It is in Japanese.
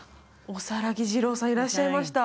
大佛次郎さんいらっしゃいました